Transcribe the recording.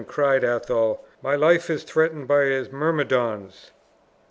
cried Athol; "my life is threatened by his myrmidons."